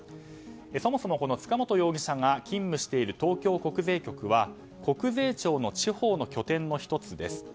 そもそも塚本容疑者が勤務している東京国税局は国税庁の地方の拠点の１つです。